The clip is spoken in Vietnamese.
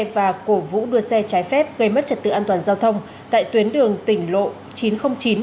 và cổ vũ đua xe trái phép gây mất trật tự an toàn giao thông tại tuyến đường tỉnh lộ chín trăm linh chín